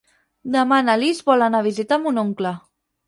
Demà na Lis vol anar a visitar mon oncle.